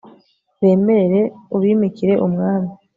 bemerere, ubimikire umwami